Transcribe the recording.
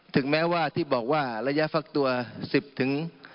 ถึงแม้ว่าที่บอกว่าระยะฟักตัว๑๐ถึง